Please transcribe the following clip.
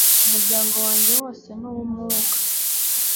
umuryango wanjye wose ni uwumwuka